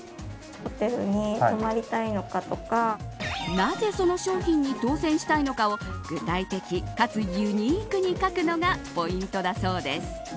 なぜその商品に当選したいのかを具体的、かつユニークに書くのがポイントだそうです。